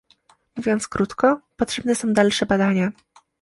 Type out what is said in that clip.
Mówiąc krótko, potrzebne są dalsze badania